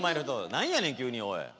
何やねん急におい。